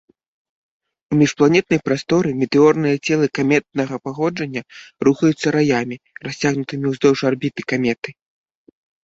У міжпланетнай прасторы метэорныя целы каметнага паходжання рухаюцца раямі, расцягнутымі ўздоўж арбіты каметы.